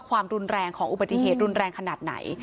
ความรุนแรงของอุบัติเหตุรุนแรงขนาดไหน